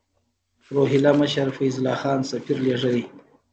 روهیله مشر فیض الله خان سفیر لېږلی.